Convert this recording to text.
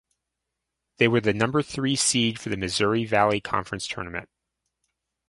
They were the number three seed for the Missouri Valley Conference Tournament.